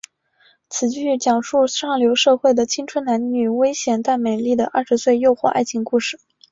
此剧讲述上流社会的青春男女危险但美丽的二十岁诱惑爱情故事。